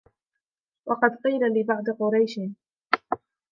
وَقَدْ قِيلَ لِبَعْضِ قُرَيْشٍ